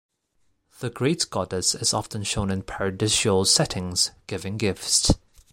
The Great Goddess is often shown in paradisial settings, giving gifts.